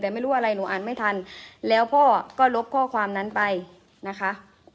แต่ไม่รู้อะไรหนูอ่านไม่ทันแล้วพ่อก็ลบข้อความนั้นไปนะคะ